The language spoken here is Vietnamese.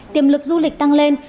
tiềm lực du lịch tăng lên